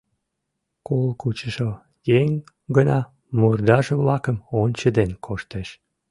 Кол кучышо еҥ гына мурдаже-влакым ончеден коштеш.